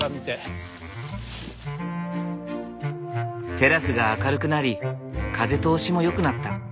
テラスが明るくなり風通しもよくなった。